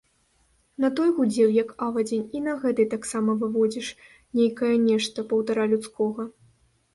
На той гудзеў, як авадзень, і на гэтай таксама выводзіш нейкае нешта паўтара людскога.